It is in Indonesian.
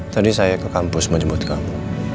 tadi saya ke kampus menjemput kamu